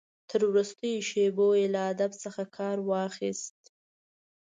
تر وروستیو شېبو یې له ادب څخه کار واخیست.